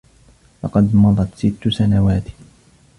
لقد مضت ستّ سنوات.